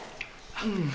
うん。